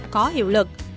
có hiệu lực